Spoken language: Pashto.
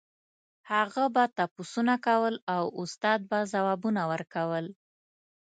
هغه به تپوسونه کول او استاد به ځوابونه ورکول.